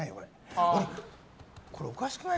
これおかしくない？